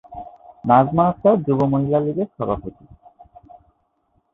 নাজমা আক্তার যুব মহিলা লীগের সভাপতি।